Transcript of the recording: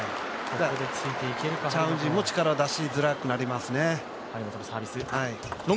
チャン・ウジンも力を出しづらくなりますね。